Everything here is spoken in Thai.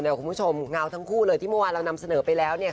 คุณผู้ชมเงาทั้งคู่เลยที่เมื่อวานเรานำเสนอไปแล้ว